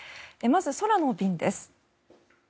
まず、空の便です。